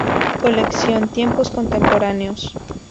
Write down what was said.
Colección "Tiempos contemporáneos".